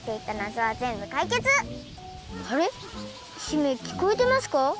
姫きこえてますか？